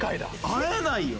会えないよ。